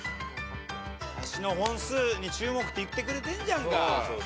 「足の本数に注目」って言ってくれてんじゃんか。